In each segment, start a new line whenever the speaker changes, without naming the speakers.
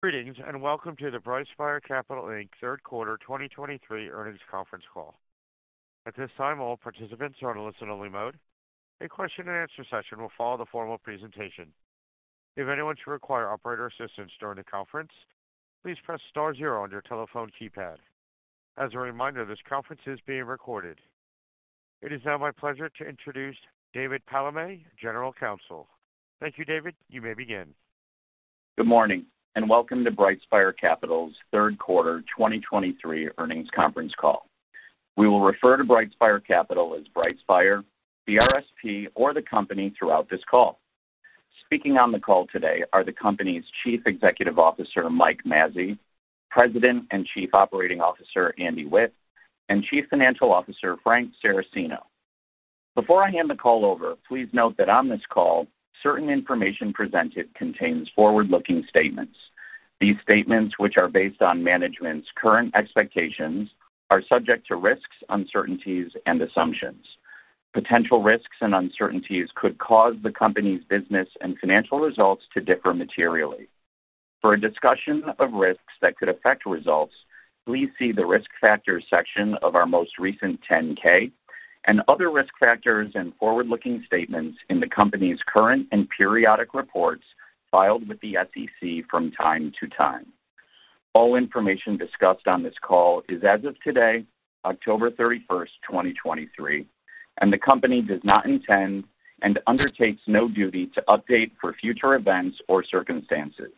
Greetings, and welcome to the BrightSpire Capital Inc. Third Quarter 2023 Earnings Conference Call. At this time, all participants are in a listen-only mode. A question-and-answer session will follow the formal presentation. If anyone should require operator assistance during the conference, please press star zero on your telephone keypad. As a reminder, this conference is being recorded. It is now my pleasure to introduce David Palamé, General Counsel. Thank you, David. You may begin.
Good morning, and welcome to BrightSpire Capital's third quarter 2023 earnings conference call. We will refer to BrightSpire Capital as BrightSpire, BRSP, or the company throughout this call. Speaking on the call today are the company's Chief Executive Officer, Mike Mazzei, President and Chief Operating Officer, Andy Witt, and Chief Financial Officer, Frank Saracino. Before I hand the call over, please note that on this call, certain information presented contains forward-looking statements. These statements, which are based on management's current expectations, are subject to risks, uncertainties, and assumptions. Potential risks and uncertainties could cause the company's business and financial results to differ materially. For a discussion of risks that could affect results, please see the Risk Factors section of our most recent 10-K, and other risk factors and forward-looking statements in the company's current and periodic reports filed with the SEC from time to time. All information discussed on this call is as of today, October 31, 2023, and the company does not intend, and undertakes no duty, to update for future events or circumstances.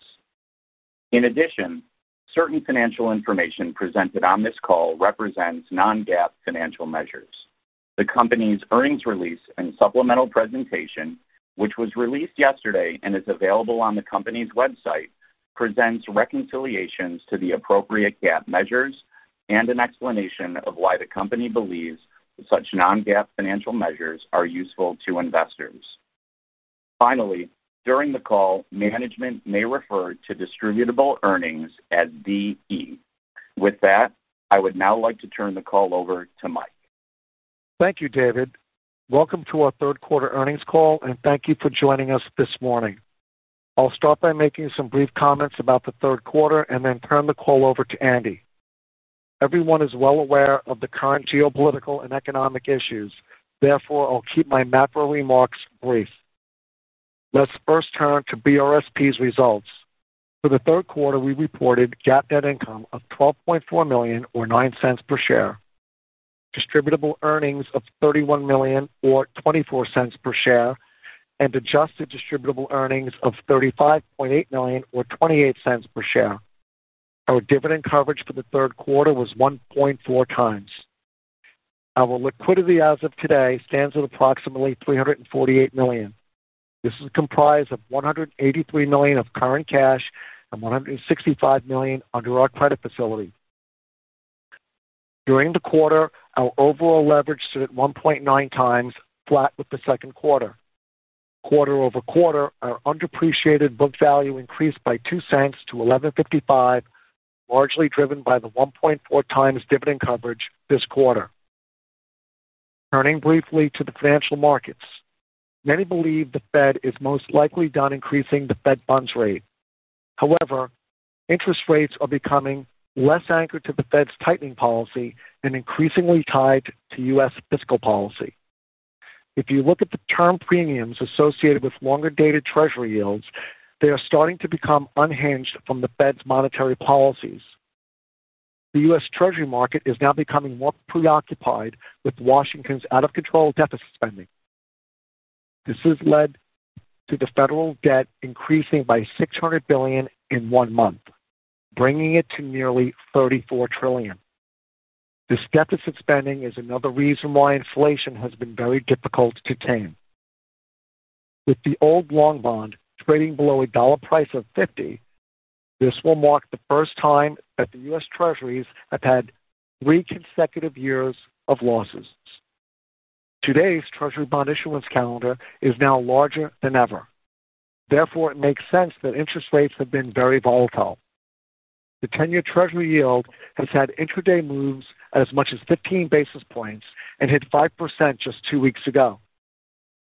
In addition, certain financial information presented on this call represents non-GAAP financial measures. The company's earnings release and supplemental presentation, which was released yesterday and is available on the company's website, presents reconciliations to the appropriate GAAP measures and an explanation of why the company believes such non-GAAP financial measures are useful to investors. Finally, during the call, management may refer to distributable earnings as DE. With that, I would now like to turn the call over to Mike.
Thank you, David. Welcome to our third quarter earnings call, and thank you for joining us this morning. I'll start by making some brief comments about the third quarter and then turn the call over to Andy. Everyone is well aware of the current geopolitical and economic issues. Therefore, I'll keep my macro remarks brief. Let's first turn to BRSP's results. For the third quarter, we reported GAAP net income of $12.4 million or $0.09 per share, distributable earnings of $31 million or $0.24 per share, and adjusted distributable earnings of $35.8 million or $0.28 per share. Our dividend coverage for the third quarter was 1.4 times. Our liquidity as of today stands at approximately $348 million. This is comprised of $183 million of current cash and $165 million under our credit facility. During the quarter, our overall leverage stood at 1.9x, flat with the second quarter. Quarter-over-quarter, our undepreciated book value increased by $0.02 to $11.55, largely driven by the 1.4x dividend coverage this quarter. Turning briefly to the financial markets. Many believe the Fed is most likely done increasing the Fed funds rate. However, interest rates are becoming less anchored to the Fed's tightening policy and increasingly tied to U.S. fiscal policy. If you look at the term premiums associated with longer-dated Treasury yields, they are starting to become unhinged from the Fed's monetary policies. The U.S. Treasury market is now becoming more preoccupied with Washington's out-of-control deficit spending. This has led to the federal debt increasing by $600 billion in 1 month, bringing it to nearly $34 trillion. This deficit spending is another reason why inflation has been very difficult to tame. With the old long bond trading below a dollar price of $50, this will mark the first time that the U.S. Treasuries have had 3 consecutive years of losses. Today's Treasury bond issuance calendar is now larger than ever. Therefore, it makes sense that interest rates have been very volatile. The 10-year Treasury yield has had intraday moves as much as 15 basis points and hit 5% just 2 weeks ago.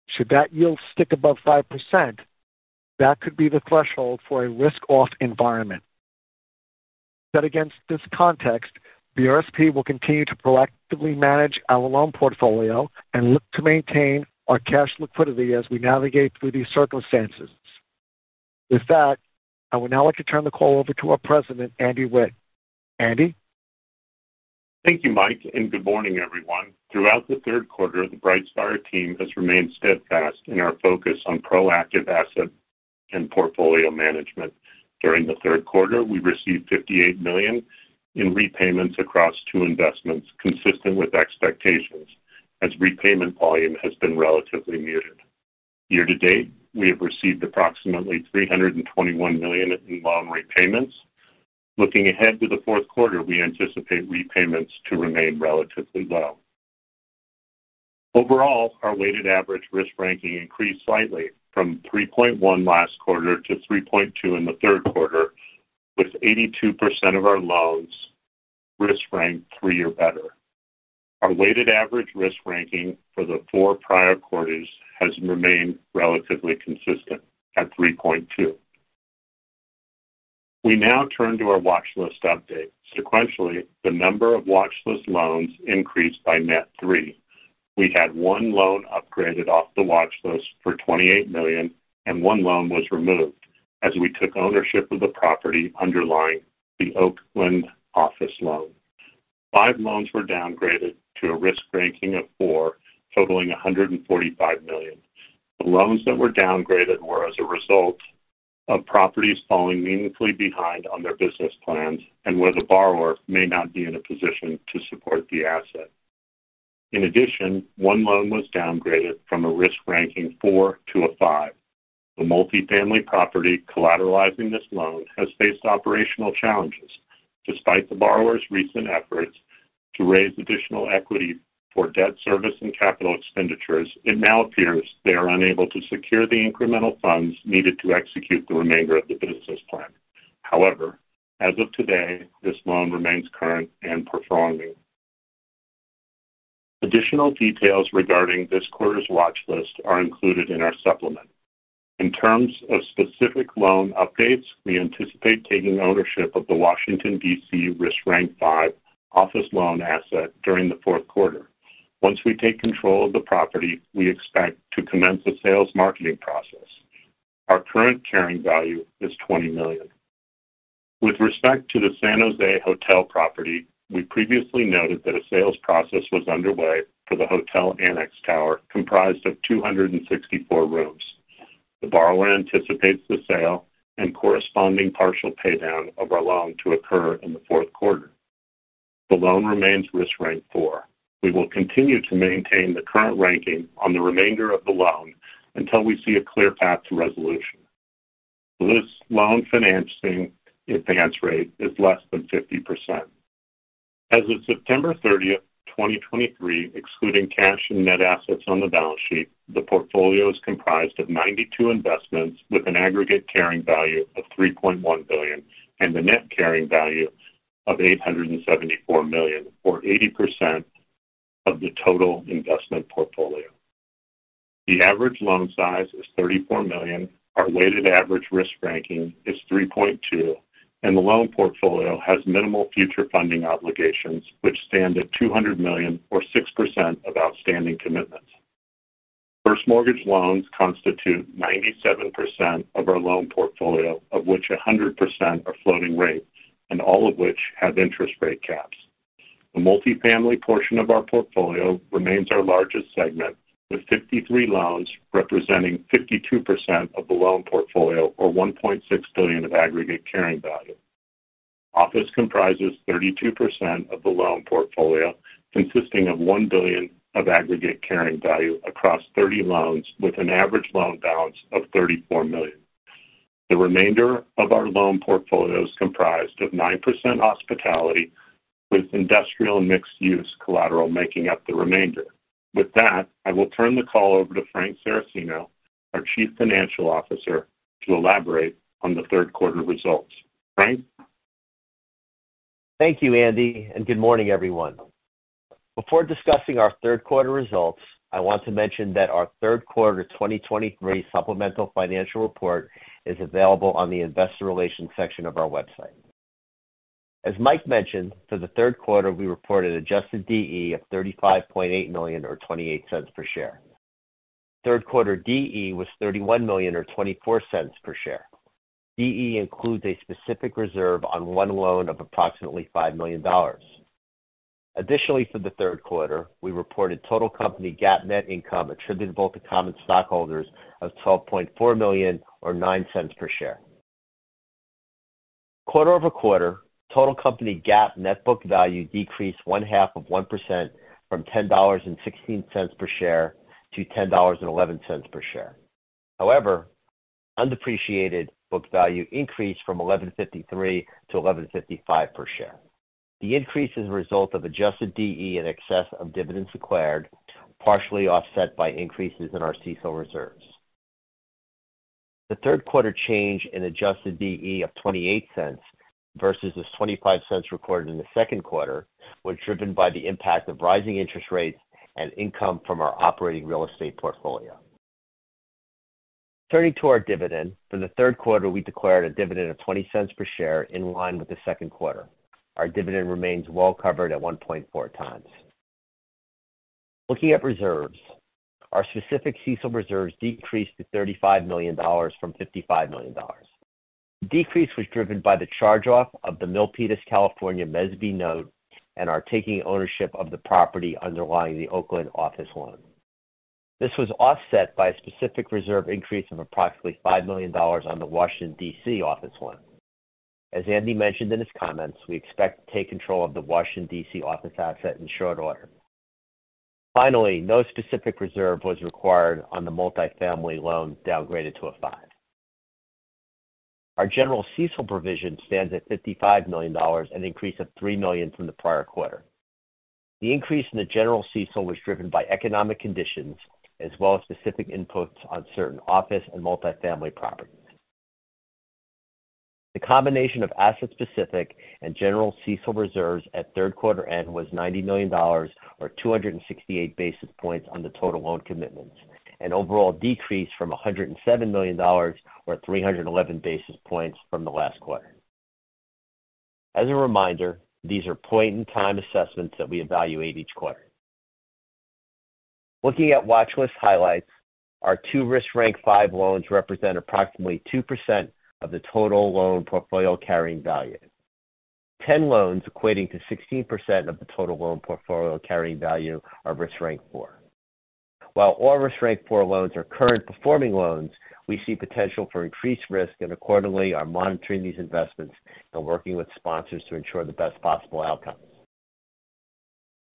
Should that yield stick above 5%, that could be the threshold for a risk-off environment. Set against this context, BRSP will continue to proactively manage our loan portfolio and look to maintain our cash liquidity as we navigate through these circumstances. With that, I would now like to turn the call over to our President, Andy Witt. Andy?
Thank you, Mike, and good morning, everyone. Throughout the third quarter, the BrightSpire team has remained steadfast in our focus on proactive asset and portfolio management. During the third quarter, we received $58 million in repayments across two investments, consistent with expectations, as repayment volume has been relatively muted. Year to date, we have received approximately $321 million in loan repayments. Looking ahead to the fourth quarter, we anticipate repayments to remain relatively low. Overall, our weighted average risk ranking increased slightly from 3.1 last quarter to 3.2 in the third quarter, with 82% of our loans risk rank three or better. Our weighted average risk ranking for the four prior quarters has remained relatively consistent at 3.2. We now turn to our watch list update. Sequentially, the number of watch list loans increased by net three. We had one loan upgraded off the watch list for $28 million, and one loan was removed as we took ownership of the property underlying the Oakland office loan. Five loans were downgraded to a risk ranking of four, totaling $145 million. The loans that were downgraded were as a result of properties falling meaningfully behind on their business plans and where the borrower may not be in a position to support the asset. In addition, one loan was downgraded from a risk ranking four to a five. The multifamily property collateralizing this loan has faced operational challenges. Despite the borrower's recent efforts to raise additional equity for debt service and capital expenditures, it now appears they are unable to secure the incremental funds needed to execute the remainder of the business plan. However, as of today, this loan remains current and performing. Additional details regarding this quarter's watch list are included in our supplement. In terms of specific loan updates, we anticipate taking ownership of the Washington, D.C., risk rank five office loan asset during the fourth quarter. Once we take control of the property, we expect to commence the sales marketing process. Our current carrying value is $20 million. With respect to the San Jose hotel property, we previously noted that a sales process was underway for the hotel annex tower, comprised of 264 rooms. The borrower anticipates the sale and corresponding partial paydown of our loan to occur in the fourth quarter. The loan remains risk rank four. We will continue to maintain the current ranking on the remainder of the loan until we see a clear path to resolution. This loan financing advance rate is less than 50%. As of September 30, 2023, excluding cash and net assets on the balance sheet, the portfolio is comprised of 92 investments with an aggregate carrying value of $3.1 billion and a net carrying value of $874 million, or 80% of the total investment portfolio. The average loan size is $34 million. Our weighted average risk ranking is 3.2, and the loan portfolio has minimal future funding obligations, which stand at $200 million, or 6% of outstanding commitments. First mortgage loans constitute 97% of our loan portfolio, of which 100% are floating rate and all of which have interest rate caps. The multifamily portion of our portfolio remains our largest segment, with 53 loans, representing 52% of the loan portfolio or $1.6 billion of aggregate carrying value. Office comprises 32% of the loan portfolio, consisting of $1 billion of aggregate carrying value across 30 loans with an average loan balance of $34 million. The remainder of our loan portfolio is comprised of 9% hospitality, with industrial and mixed-use collateral making up the remainder. With that, I will turn the call over to Frank Saracino, our Chief Financial Officer, to elaborate on the third quarter results. Frank?
Thank you, Andy, and good morning, everyone. Before discussing our third quarter results, I want to mention that our third quarter 2023 supplemental financial report is available on the Investor Relations section of our website. As Mike mentioned, for the third quarter, we reported adjusted DE of $35.8 million, or $0.28 per share. Third quarter DE was $31 million or $0.24 per share. DE includes a specific reserve on one loan of approximately $5 million. Additionally, for the third quarter, we reported total company GAAP net income attributable to common stockholders of $12.4 million or $0.09 per share. Quarter-over-quarter, total company GAAP net book value decreased 0.5% from $10.16 per share to $10.11 per share. However, undepreciated book value increased from $11.53 to $11.55 per share. The increase is a result of adjusted DE in excess of dividends accrued, partially offset by increases in our CECL reserves. The third quarter change in adjusted DE of $0.28 versus the $0.25 recorded in the second quarter was driven by the impact of rising interest rates and income from our operating real estate portfolio. Turning to our dividend. For the third quarter, we declared a dividend of $0.20 per share, in line with the second quarter. Our dividend remains well covered at 1.4 times. Looking at reserves, our specific CECL reserves decreased to $35 million from $55 million. Decrease was driven by the charge-off of the Milpitas, California, mezz B note and our taking ownership of the property underlying the Oakland office loan. This was offset by a specific reserve increase of approximately $5 million on the Washington, D.C., office loan. As Andy mentioned in his comments, we expect to take control of the Washington, D.C., office asset in short order. Finally, no specific reserve was required on the multifamily loan downgraded to a 5. Our general CECL provision stands at $55 million, an increase of $3 million from the prior quarter. The increase in the general CECL was driven by economic conditions as well as specific inputs on certain office and multifamily properties... The combination of asset-specific and general CECL reserves at third quarter end was $90 million, or 268 basis points on the total loan commitments, an overall decrease from $107 million, or 311 basis points from the last quarter. As a reminder, these are point-in-time assessments that we evaluate each quarter. Looking at watchlist highlights, our 2 risk rank 5 loans represent approximately 2% of the total loan portfolio carrying value. 10 loans, equating to 16% of the total loan portfolio carrying value, are risk rank 4. While all risk rank 4 loans are current performing loans, we see potential for increased risk and accordingly are monitoring these investments and working with sponsors to ensure the best possible outcomes.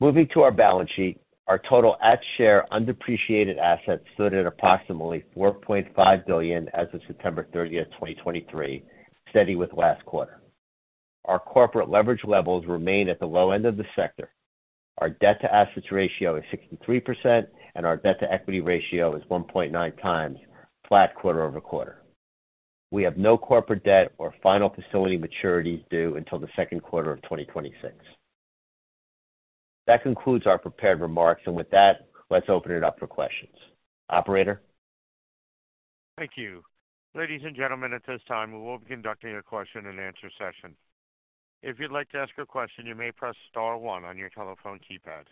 Moving to our balance sheet. Our total at-share undepreciated assets stood at approximately $4.5 billion as of September 30, 2023, steady with last quarter. Our corporate leverage levels remain at the low end of the sector. Our debt-to-assets ratio is 63%, and our debt-to-equity ratio is 1.9 times, flat quarter-over-quarter. We have no corporate debt or final facility maturities due until the second quarter of 2026. That concludes our prepared remarks, and with that, let's open it up for questions. Operator?
Thank you. Ladies and gentlemen, at this time, we will be conducting a question-and-answer session. If you'd like to ask a question, you may press star one on your telephone keypad.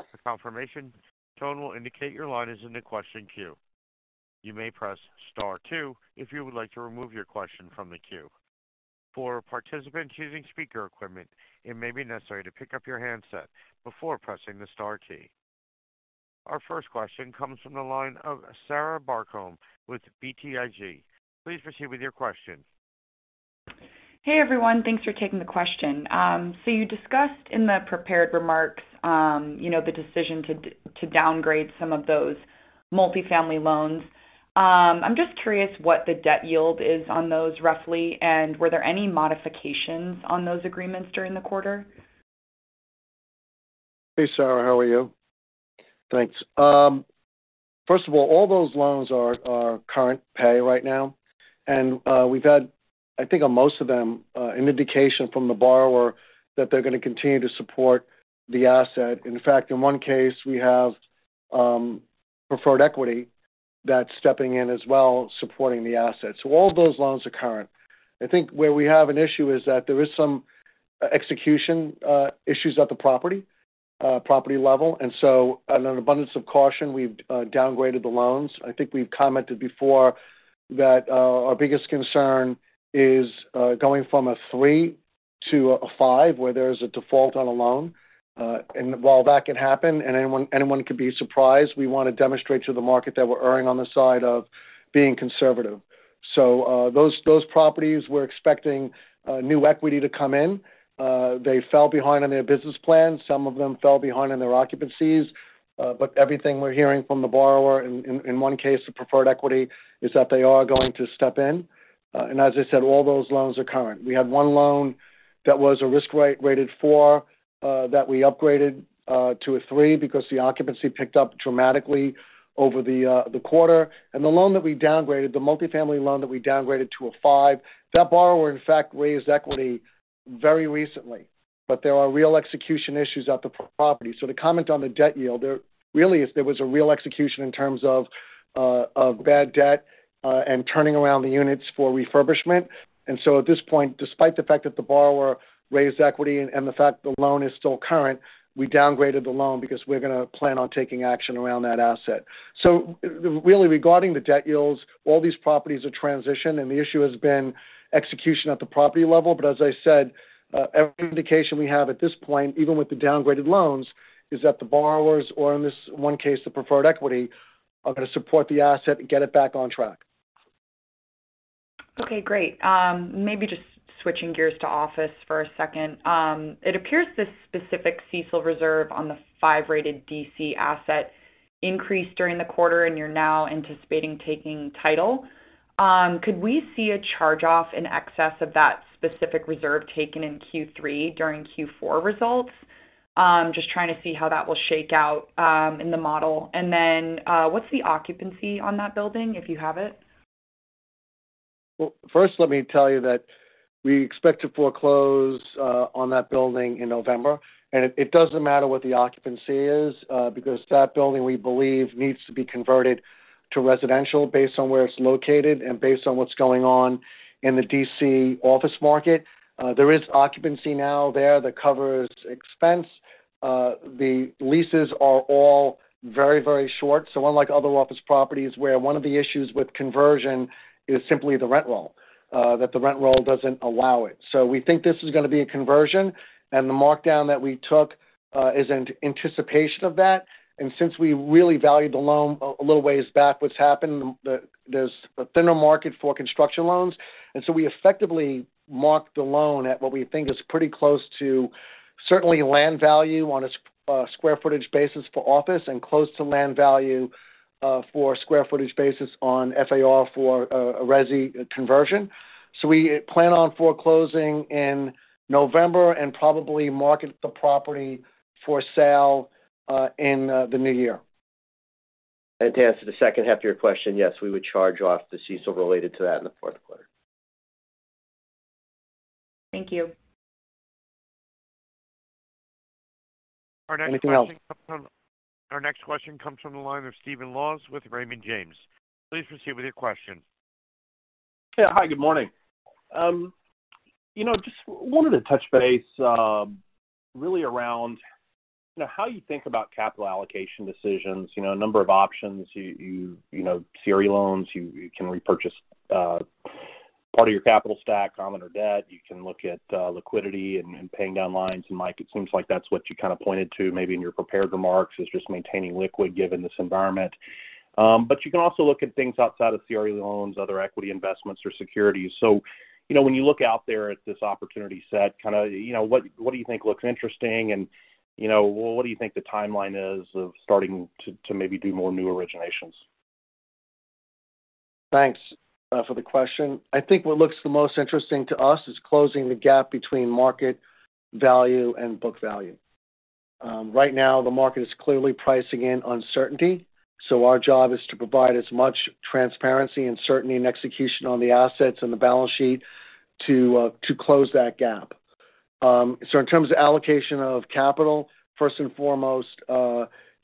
A confirmation tone will indicate your line is in the question queue. You may press star two if you would like to remove your question from the queue. For participants using speaker equipment, it may be necessary to pick up your handset before pressing the star key. Our first question comes from the line of Sarah Barcomb with BTIG. Please proceed with your question.
Hey, everyone, thanks for taking the question. So you discussed in the prepared remarks, you know, the decision to downgrade some of those multifamily loans. I'm just curious what the debt yield is on those roughly, and were there any modifications on those agreements during the quarter?
Hey, Sarah, how are you? Thanks. First of all, all those loans are current pay right now, and we've had, I think, on most of them, an indication from the borrower that they're going to continue to support the asset. In fact, in one case, we have preferred equity that's stepping in as well, supporting the asset. So all those loans are current. I think where we have an issue is that there is some execution issues at the property level, and so an abundance of caution, we've downgraded the loans. I think we've commented before that our biggest concern is going from a 3 to a 5, where there is a default on a loan. And while that can happen and anyone, anyone could be surprised, we want to demonstrate to the market that we're erring on the side of being conservative. So, those, those properties, we're expecting new equity to come in. They fell behind on their business plan. Some of them fell behind in their occupancies, but everything we're hearing from the borrower, in, in one case, the preferred equity, is that they are going to step in. And as I said, all those loans are current. We had one loan that was a risk rank 4, that we upgraded to a 3 because the occupancy picked up dramatically over the quarter. And the loan that we downgraded, the multifamily loan that we downgraded to a 5, that borrower, in fact, raised equity very recently. But there are real execution issues at the property. So to comment on the debt yield, there really was a real execution in terms of bad debt and turning around the units for refurbishment. And so at this point, despite the fact that the borrower raised equity and the fact the loan is still current, we downgraded the loan because we're going to plan on taking action around that asset. So really, regarding the debt yields, all these properties are transitioned, and the issue has been execution at the property level. But as I said, every indication we have at this point, even with the downgraded loans, is that the borrowers, or in this one case, the preferred equity, are going to support the asset and get it back on track.
Okay, great. Maybe just switching gears to office for a second. It appears this specific CECL reserve on the five-rated D.C. asset increased during the quarter, and you're now anticipating taking title. Could we see a charge-off in excess of that specific reserve taken in Q3 during Q4 results? Just trying to see how that will shake out, in the model. And then, what's the occupancy on that building, if you have it?
Well, first, let me tell you that we expect to foreclose on that building in November, and it doesn't matter what the occupancy is, because that building, we believe, needs to be converted to residential based on where it's located and based on what's going on in the D.C. office market. There is occupancy now there that covers expense. The leases are all very, very short. So unlike other office properties where one of the issues with conversion is simply the rent roll, that the rent roll doesn't allow it. So we think this is going to be a conversion, and the markdown that we took is in anticipation of that. And since we really valued the loan a little ways back, what's happened, there's a thinner market for construction loans, and so we effectively marked the loan at what we think is pretty close to certainly land value on a square footage basis for office and close to land value for square footage basis on FAR for a resi conversion. So we plan on foreclosing in November and probably market the property for sale in the new year. And to answer the second half of your question, yes, we would charge off the CECL related to that in the fourth quarter.
Thank you.
Anything else?
Our next question comes from the line of Steven Laws with Raymond James. Please proceed with your question.
Yeah. Hi, good morning. You know, just wanted to touch base, really around, you know, how you think about capital allocation decisions. You know, a number of options, you know, CRE loans, you can repurchase part of your capital stack, common or debt. You can look at liquidity and paying down lines. And, Mike, it seems like that's what you kind of pointed to maybe in your prepared remarks, is just maintaining liquid given this environment. But you can also look at things outside of CRE loans, other equity investments or securities. So, you know, when you look out there at this opportunity set, kind of, you know, what do you think looks interesting? And, you know, what do you think the timeline is of starting to maybe do more new originations?
Thanks for the question. I think what looks the most interesting to us is closing the gap between market value and book value. Right now, the market is clearly pricing in uncertainty, so our job is to provide as much transparency and certainty and execution on the assets and the balance sheet to close that gap. So in terms of allocation of capital, first and foremost,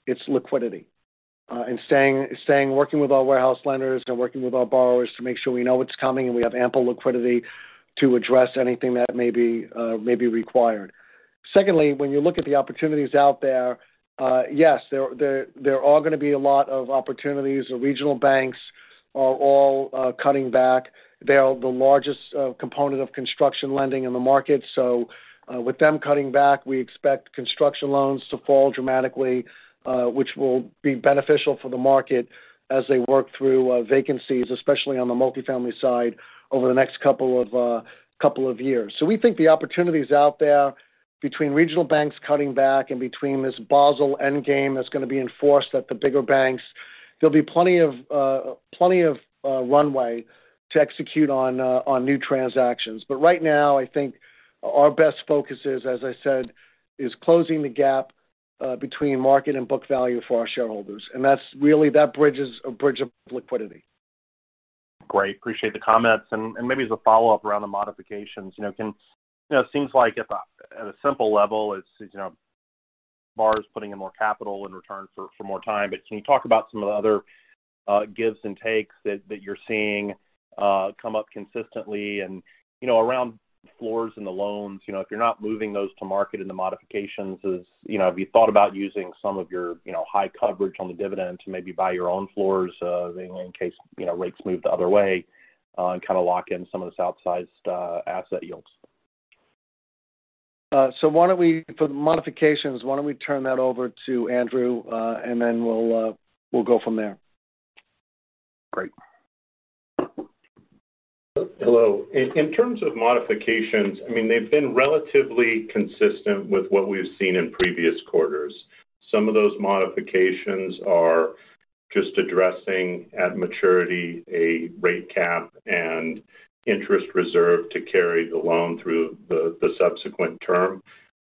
it's liquidity, and staying working with our warehouse lenders and working with our borrowers to make sure we know what's coming, and we have ample liquidity to address anything that may be required. Secondly, when you look at the opportunities out there, yes, there are going to be a lot of opportunities. The regional banks are all cutting back. They are the largest component of construction lending in the market. So, with them cutting back, we expect construction loans to fall dramatically, which will be beneficial for the market as they work through vacancies, especially on the multifamily side, over the next couple of couple of years. So we think the opportunities out there between regional banks cutting back and between this Basel endgame that's going to be enforced at the bigger banks, there'll be plenty of plenty of runway to execute on on new transactions. But right now, I think our best focus is, as I said, is closing the gap between market and book value for our shareholders, and that's really-- that bridge is a bridge of liquidity.
Great. Appreciate the comments. And maybe as a follow-up around the modifications, you know. You know, it seems like at a simple level, it's, you know, borrowers putting in more capital in return for more time. But can you talk about some of the other gives and takes that you're seeing come up consistently and, you know, around floors and the loans? You know, if you're not moving those to market in the modifications, have you thought about using some of your, you know, high coverage on the dividend to maybe buy your own floors, in case, you know, rates move the other way, and kind of lock in some of the outsized asset yields?
So why don't we—for the modifications, why don't we turn that over to Andrew, and then we'll, we'll go from there.
Great.
Hello. In terms of modifications, I mean, they've been relatively consistent with what we've seen in previous quarters. Some of those modifications are just addressing, at maturity, a rate cap and interest reserve to carry the loan through the subsequent term.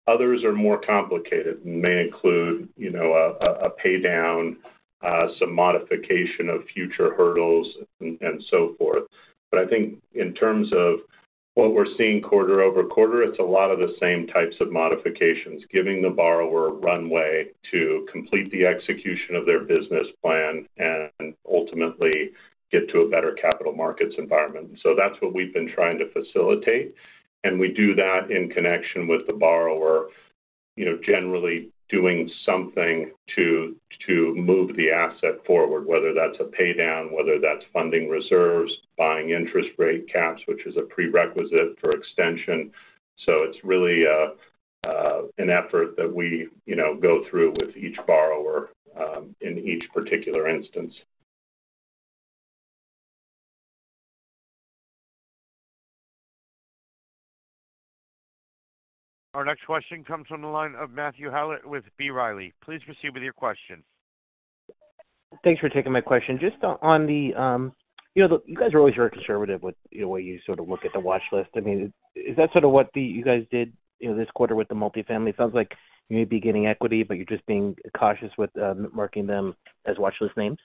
Others are more complicated and may include, you know, a pay down, some modification of future hurdles and so forth. But I think in terms of what we're seeing quarter-over-quarter, it's a lot of the same types of modifications, giving the borrower runway to complete the execution of their business plan and ultimately get to a better capital markets environment. So that's what we've been trying to facilitate, and we do that in connection with the borrower, you know, generally doing something to move the asset forward, whether that's a pay down, whether that's funding reserves, buying interest rate caps, which is a prerequisite for extension. So it's really an effort that we, you know, go through with each borrower in each particular instance.
Our next question comes from the line of Matthew Howlett with B. Riley. Please proceed with your question.
Thanks for taking my question. Just on the, you know, you guys are always very conservative with, you know, the way you sort of look at the watch list. I mean, is that sort of what you guys did, you know, this quarter with the multifamily? It sounds like you may be getting equity, but you're just being cautious with marking them as watchlist names.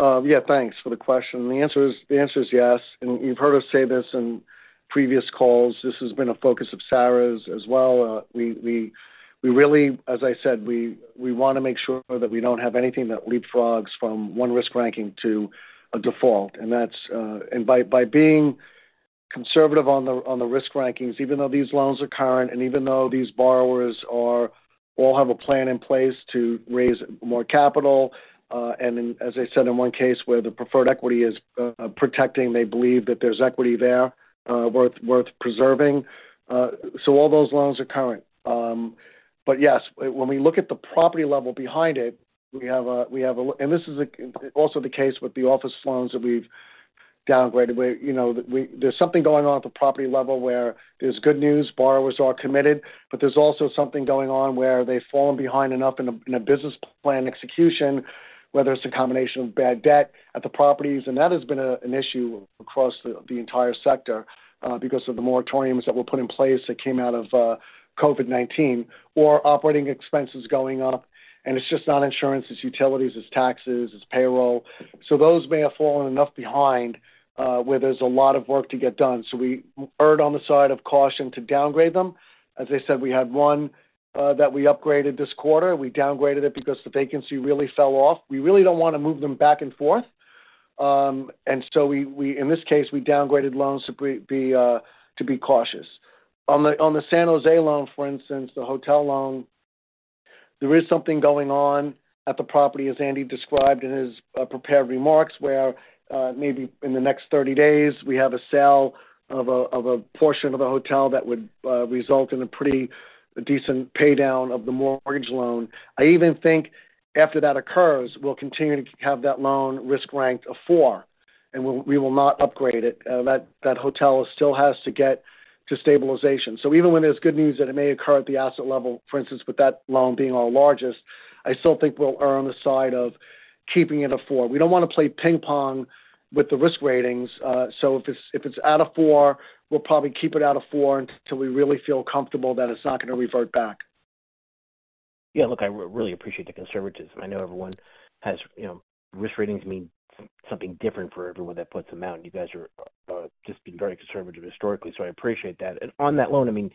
Yeah, thanks for the question. The answer is, the answer is yes, and you've heard us say this in previous calls. This has been a focus of Sarah's as well. We really as I said, we want to make sure that we don't have anything that leapfrogs from one risk ranking to a default. And that's, and by being conservative on the risk rankings, even though these loans are current and even though these borrowers all have a plan in place to raise more capital, and then, as I said, in one case, where the preferred equity is protecting, they believe that there's equity there, worth preserving. So all those loans are current. But yes, when we look at the property level behind it, we have a—and this is also the case with the office loans that we've downgraded where, you know, there's something going on at the property level where there's good news, borrowers are committed, but there's also something going on where they've fallen behind enough in a business plan execution, whether it's a combination of bad debt at the properties, and that has been an issue across the entire sector, because of the moratoriums that were put in place that came out of COVID-19, or operating expenses going up. And it's just not insurance, it's utilities, it's taxes, it's payroll. So those may have fallen enough behind where there's a lot of work to get done. So we err on the side of caution to downgrade them. As I said, we had one that we upgraded this quarter. We downgraded it because the vacancy really fell off. We really don't wanna move them back and forth. And so in this case, we downgraded loans to be cautious. On the San Jose loan, for instance, the hotel loan, there is something going on at the property, as Andy described in his prepared remarks, where maybe in the next 30 days, we have a sale of a portion of the hotel that would result in a pretty decent pay down of the mortgage loan. I even think after that occurs, we'll continue to have that loan risk ranked a four, and we will not upgrade it. That hotel still has to get to stabilization. So even when there's good news that it may occur at the asset level, for instance, with that loan being our largest, I still think we'll err on the side of keeping it a four. We don't wanna play ping-pong with the risk ratings. So if it's at a four, we'll probably keep it at a four until we really feel comfortable that it's not gonna revert back.
Yeah, look, I really appreciate the conservatism. I know everyone has, you know... Risk rankings mean something different for everyone that puts them out, and you guys are just being very conservative historically, so I appreciate that. And on that loan, I mean,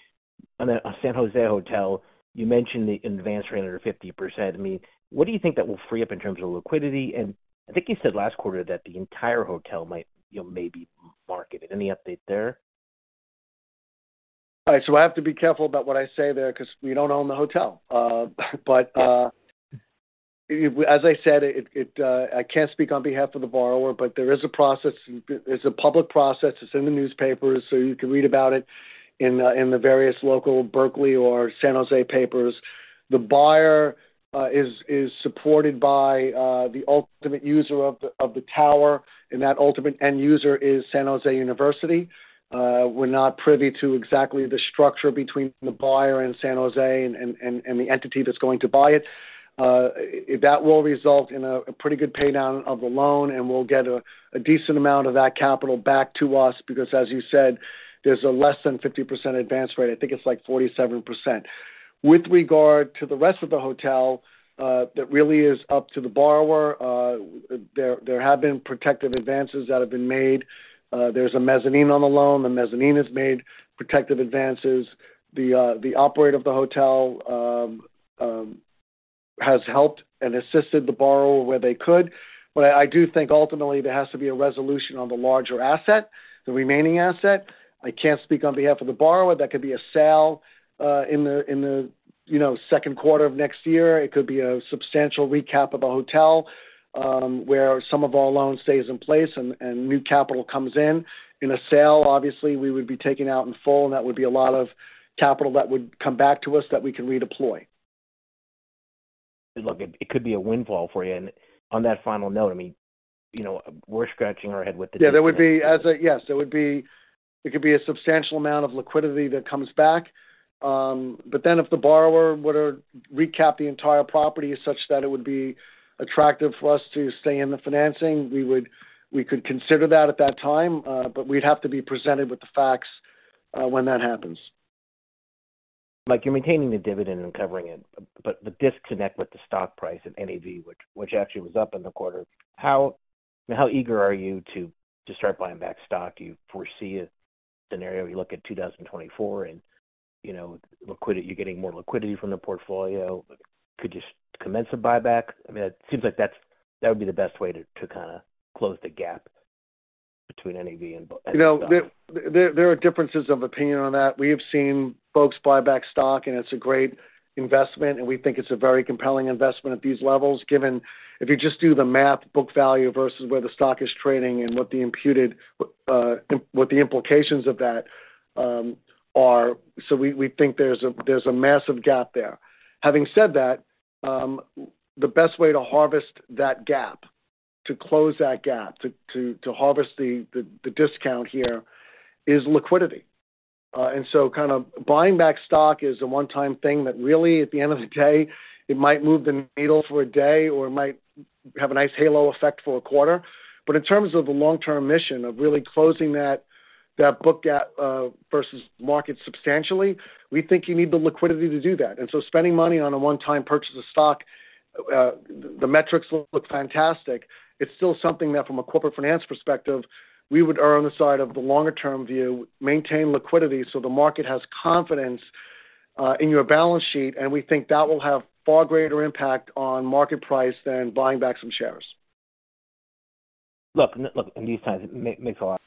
on the San Jose hotel, you mentioned the advance rate under 50%. I mean, what do you think that will free up in terms of liquidity? And I think you said last quarter that the entire hotel might, you know, may be marketed. Any update there?
All right, so I have to be careful about what I say there 'cause we don't own the hotel. But, as I said, I can't speak on behalf of the borrower, but there is a process. It's a public process. It's in the newspapers, so you can read about it in the various local Berkeley or San Jose papers. The buyer is supported by the ultimate user of the tower, and that ultimate end user is San Jose State University. We're not privy to exactly the structure between the buyer and San Jose and the entity that's going to buy it. That will result in a pretty good pay down of the loan, and we'll get a decent amount of that capital back to us because, as you said, there's a less than 50% advance rate. I think it's like 47%. With regard to the rest of the hotel, that really is up to the borrower. There have been protective advances that have been made. There's a mezzanine on the loan. The mezzanine has made protective advances. The operator of the hotel has helped and assisted the borrower where they could. But I do think ultimately there has to be a resolution on the larger asset, the remaining asset. I can't speak on behalf of the borrower. That could be a sale in the you know second quarter of next year. It could be a substantial recap of the hotel, where some of our loan stays in place and new capital comes in. In a sale, obviously, we would be taking out in full, and that would be a lot of capital that would come back to us that we can redeploy.
Look, it could be a windfall for you. And on that final note, I mean, you know, we're scratching our head with the-
Yeah, there would be. Yes, there would be, it could be a substantial amount of liquidity that comes back. But then if the borrower were to recap the entire property as such, that it would be attractive for us to stay in the financing, we would, we could consider that at that time, but we'd have to be presented with the facts when that happens.
Like, you're maintaining the dividend and covering it, but the disconnect with the stock price and NAV, which actually was up in the quarter, how eager are you to start buying back stock? Do you foresee a scenario where you look at 2024 and, you know, liquidity, you're getting more liquidity from the portfolio, could you commence a buyback? I mean, it seems like that's- that would be the best way to kind of close the gap between NAV and stock.
You know, there are differences of opinion on that. We have seen folks buy back stock, and it's a great investment, and we think it's a very compelling investment at these levels, given if you just do the math, book value versus where the stock is trading and what the imputed what the implications of that are. So we think there's a massive gap there. Having said that, the best way to harvest that gap, to close that gap, to harvest the discount here is liquidity. And so kind of buying back stock is a one-time thing that really, at the end of the day, it might move the needle for a day or might have a nice halo effect for a quarter. But in terms of the long-term mission of really closing that book gap versus market substantially, we think you need the liquidity to do that. And so spending money on a one-time purchase of stock, the metrics look fantastic. It's still something that, from a corporate finance perspective, we would err on the side of the longer-term view, maintain liquidity so the market has confidence in your balance sheet, and we think that will have far greater impact on market price than buying back some shares.
Look, look, in these times, it makes a lot.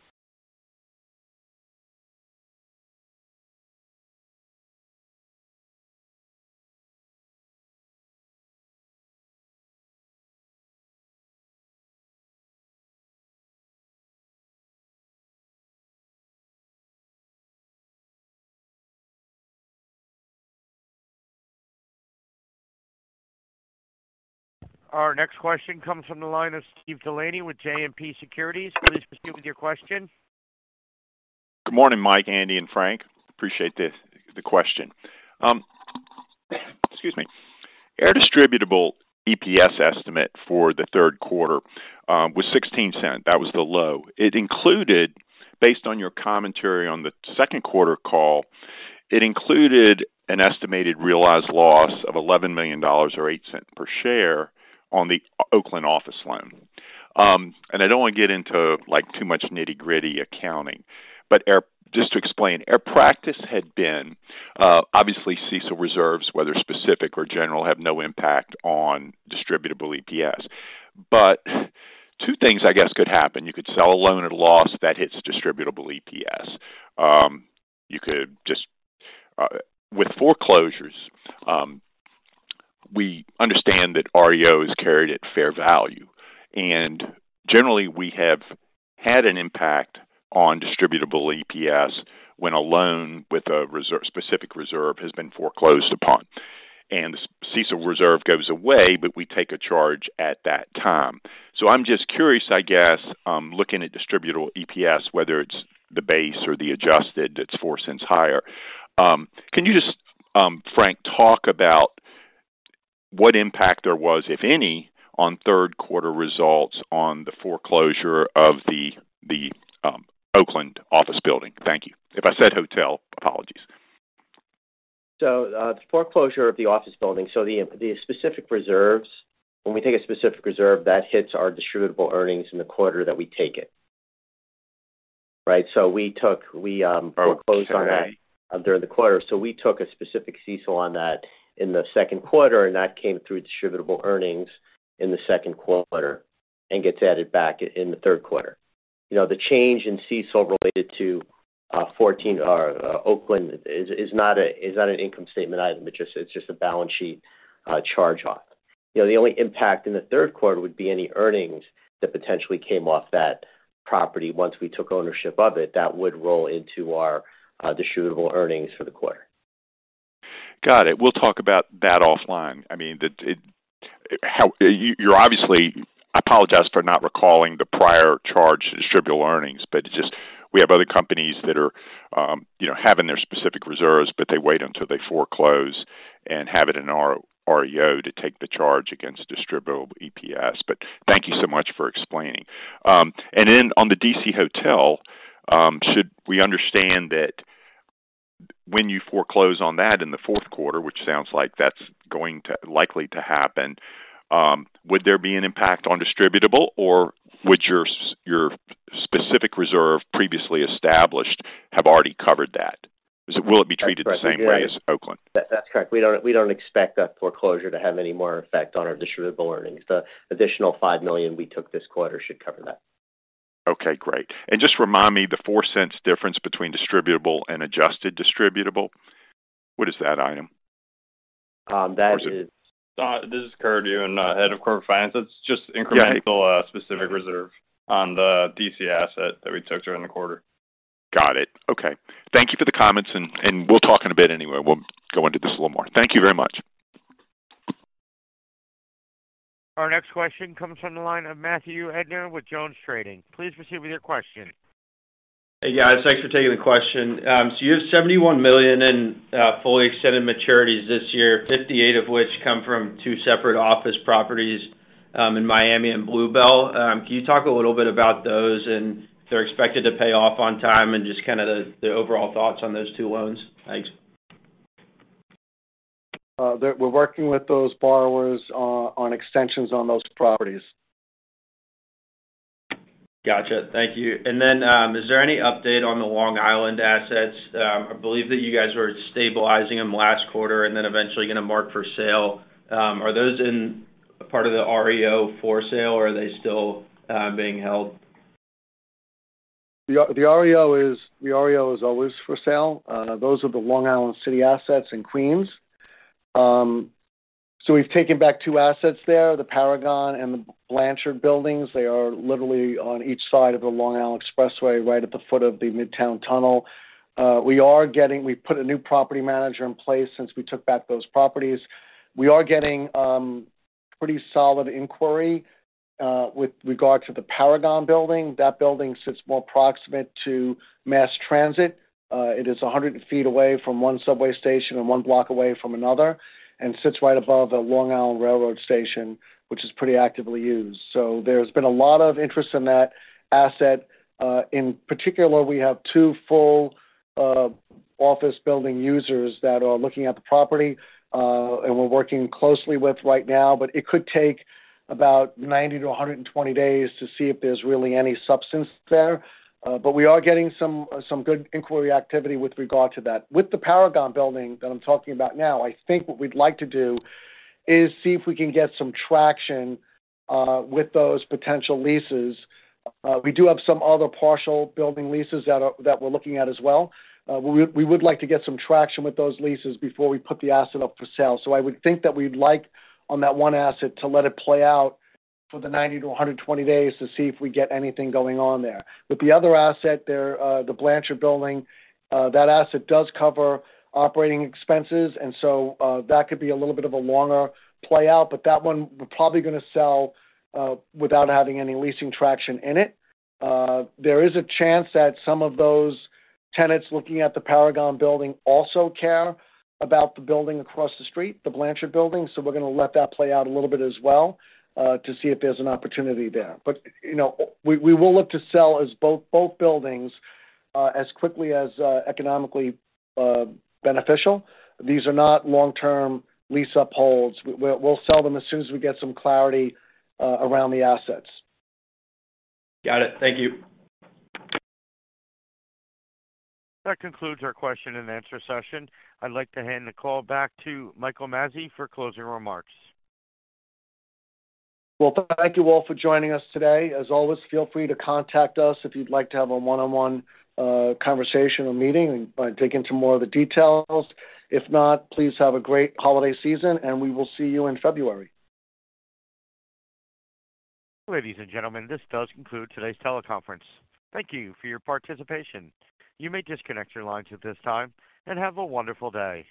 Our next question comes from the line of Steve Delaney with JMP Securities. Please proceed with your question....
Good morning, Mike, Andy, and Frank. Appreciate the question. Excuse me. Our distributable EPS estimate for the third quarter was $0.16. That was the low. It included- Based on your commentary on the second quarter call, it included an estimated realized loss of $11 million or $0.08 per share on the Oakland office loan. And I don't want to get into, like, too much nitty-gritty accounting, but our- just to explain, our practice had been, obviously, CECL reserves, whether specific or general, have no impact on distributable EPS. But two things, I guess, could happen. You could sell a loan at a loss that hits distributable EPS. You could just... With foreclosures, we understand that REO is carried at fair value, and generally, we have had an impact on distributable EPS when a loan with a reserve, specific reserve, has been foreclosed upon. And the CECL reserve goes away, but we take a charge at that time. So I'm just curious, I guess, looking at distributable EPS, whether it's the base or the adjusted, that's $0.04 higher. Can you just, Frank, talk about what impact there was, if any, on third quarter results on the foreclosure of the, the, Oakland office building? Thank you. If I said hotel, apologies.
So, the foreclosure of the office building. So the specific reserves, when we take a specific reserve, that hits our distributable earnings in the quarter that we take it. Right? So we took we foreclosed on that during the quarter, so we took a specific CECL on that in the second quarter, and that came through distributable earnings in the second quarter and gets added back in the third quarter. You know, the change in CECL related to fourteen or Oakland is not an income statement item, but just, it's just a balance sheet charge off. You know, the only impact in the third quarter would be any earnings that potentially came off that property. Once we took ownership of it, that would roll into our distributable earnings for the quarter.
Got it. We'll talk about that offline. I mean, I apologize for not recalling the prior charge to distributable earnings, but it just, we have other companies that are, you know, having their specific reserves, but they wait until they foreclose and have it in REO to take the charge against distributable EPS. But thank you so much for explaining. And then on the D.C. hotel, should we understand that when you foreclose on that in the fourth quarter, which sounds like that's going to, likely to happen, would there be an impact on distributable, or would your specific reserve previously established have already covered that? Will it be treated the same way as Oakland?
That's correct. We don't, we don't expect that foreclosure to have any more effect on our distributable earnings. The additional $5 million we took this quarter should cover that.
Okay, great. Just remind me, the $0.04 difference between distributable and adjusted distributable, what is that item?
That is-
This is Kurt Y, Head of Corporate Finance. It's just incremental-
Yeah.
Specific reserve on the D.C. asset that we took during the quarter.
Got it. Okay. Thank you for the comments, and we'll talk in a bit anyway. We'll go into this a little more. Thank you very much.
Our next question comes from the line of Matthew Erdner with JonesTrading. Please proceed with your question.
Hey, guys. Thanks for taking the question. So you have $71 million in fully extended maturities this year, 58 of which come from two separate office properties in Miami and Blue Bell. Can you talk a little bit about those and if they're expected to pay off on time and just kind of the overall thoughts on those two loans? Thanks.
We're working with those borrowers on extensions on those properties.
Gotcha. Thank you. And then, is there any update on the Long Island assets? I believe that you guys were stabilizing them last quarter and then eventually going to mark for sale. Are those in part of the REO for sale, or are they still being held?
The REO is always for sale. Those are the Long Island City assets in Queens. So we've taken back two assets there, the Paragon and the Blanchard buildings. They are literally on each side of the Long Island Expressway, right at the foot of the Midtown Tunnel. We put a new property manager in place since we took back those properties. We are getting pretty solid inquiry with regard to the Paragon building. That building sits more proximate to mass transit. It is 100 feet away from one subway station and one block away from another, and sits right above the Long Island Railroad Station, which is pretty actively used. So there's been a lot of interest in that asset. In particular, we have two full office building users that are looking at the property and we're working closely with right now. But it could take about 90-120 days to see if there's really any substance there. But we are getting some good inquiry activity with regard to that. With the Paragon building that I'm talking about now, I think what we'd like to do is see if we can get some traction with those potential leases. We do have some other partial building leases that we're looking at as well. We would like to get some traction with those leases before we put the asset up for sale. So I would think that we'd like, on that one asset, to let it play out for the 90-120 days to see if we get anything going on there. With the other asset there, the Blanchard building, that asset does cover operating expenses, and so, that could be a little bit of a longer play out, but that one, we're probably going to sell without having any leasing traction in it. There is a chance that some of those tenants looking at the Paragon building also care about the building across the street, the Blanchard building, so we're going to let that play out a little bit as well, to see if there's an opportunity there. But, you know, we, we will look to sell as both, both buildings, as quickly as, economically, beneficial. These are not long-term lease-ups. We'll sell them as soon as we get some clarity around the assets.
Got it. Thank you.
That concludes our question and answer session. I'd like to hand the call back to Michael Mazzei for closing remarks.
Well, thank you all for joining us today. As always, feel free to contact us if you'd like to have a one-on-one, conversation or meeting and dig into more of the details. If not, please have a great holiday season, and we will see you in February.
Ladies and gentlemen, this does conclude today's teleconference. Thank you for your participation. You may disconnect your lines at this time, and have a wonderful day.